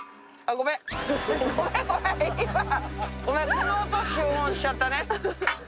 ごめんこの音収音しちゃったね。